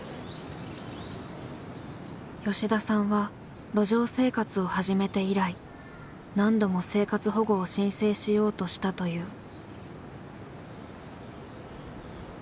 吉田さんは路上生活を始めて以来何度も生活保護を申請しようとしたという。